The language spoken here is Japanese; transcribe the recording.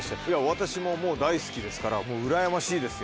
私ももう大好きですからうらやましいですよ。